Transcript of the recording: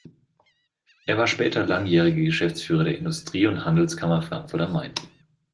Er war später langjähriger Geschäftsführer der Industrie- und Handelskammer Frankfurt am Main.